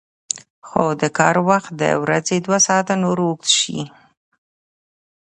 خو د کار وخت د ورځې دوه ساعته نور اوږد شي